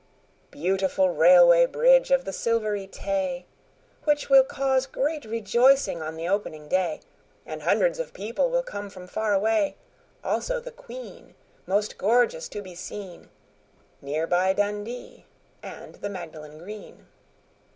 Beautiful Railway Bridge of the Silvery Tay ! Which will cause great rejoicing on the opening day And hundreds of people will come from far away, Also the Queen, most gorgeous to be seen, Near by Dundee and the Magdalen Green.